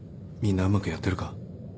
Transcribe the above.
みんなうまくやってるか？